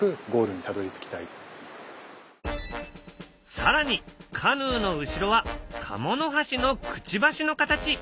更にカヌーの後ろはカモノハシのくちばしの形！